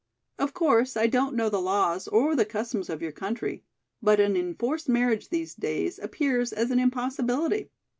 Of course I don't know the laws or the customs of your country, but an enforced marriage these days appears as an impossibility."